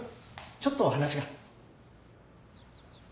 ちょっと話が。